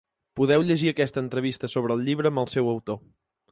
Podeu llegir aquesta entrevista sobre el llibre amb el seu autor.